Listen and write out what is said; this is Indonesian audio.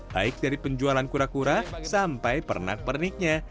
baik dari penjualan kura kura sampai pernak perniknya